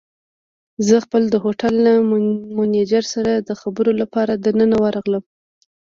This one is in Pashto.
زه خپله د هوټل له مېنېجر سره د خبرو لپاره دننه ورغلم.